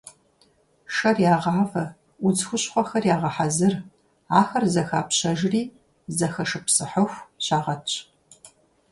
Шэр ягъавэ, удз хущхъуэхэр ягъэхьэзыр, ахэр зэхапщэжри зэхэшыпсыхьыху щагъэтщ.